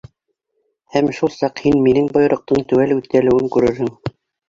Һәм шул саҡ һин минең бойороҡтоң теүәл үтәлеүен күрерһең.